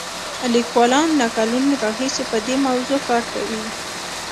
لیکوالان له کلونو راهیسې په دې موضوع کار کوي.